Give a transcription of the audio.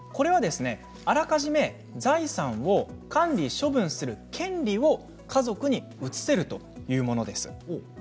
あらかじめ財産を管理・処分する権利を家族に移せるというものです。